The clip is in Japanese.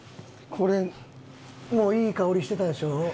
これもういい香りしてたでしょ？